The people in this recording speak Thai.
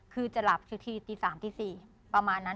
คือจะหลับที๓๔ประมาณนั้น